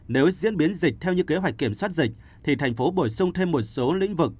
nếu diễn biến dịch theo như kế hoạch kiểm soát dịch thì thành phố bổ sung thêm một số lĩnh vực